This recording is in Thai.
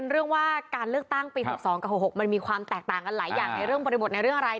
เรื่องว่าการเลือกตั้งปี๖๒กับ๖๖มันมีความแตกต่างกันหลายอย่างในเรื่องบริบทในเรื่องอะไร